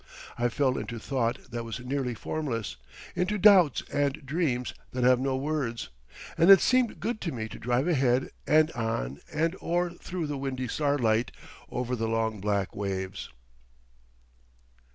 I fell into thought that was nearly formless, into doubts and dreams that have no words, and it seemed good to me to drive ahead and on and or through the windy starlight, over the long black waves.